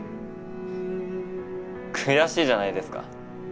悔しいじゃないですか。